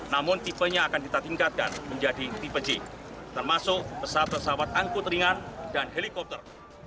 namun tipenya akan kita tingkatkan menjadi tipe j termasuk pesawat pesawat angkut ringan dan helikopter